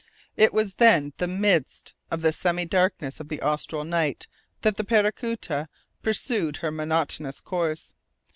It was then in the midst of the semi darkness of the austral night that the Paracuta pursued her monotonous course.